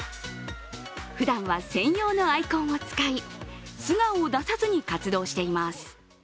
ふだんは専用のアイコンを使い素顔を出さずに活動しています。